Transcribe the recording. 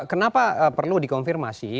kenapa perlu dikonfirmasi